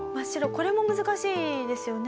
これも難しいですよね？